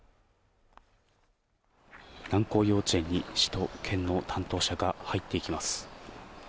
南光幼稚園に市と県の担当者が入っていきます。